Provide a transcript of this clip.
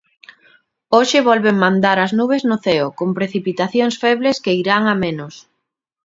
Hoxe volven mandar as nubes no ceo, con precipitacións febles que irán a menos.